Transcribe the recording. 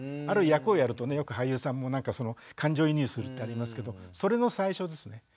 ある役をやるとねよく俳優さんも感情移入するってありますけどそれの最初ですね。